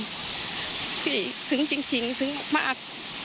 ก็หยุดซึ้งจริงซึ้งมาก